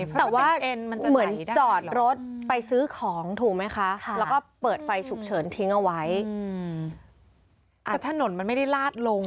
แต่ว่าเหมือนจอดรถไปซื้อของถูกไหมคะแล้วก็เปิดไฟฉุกเฉินทิ้งเอาไว้แต่ถนนมันไม่ได้ลาดลง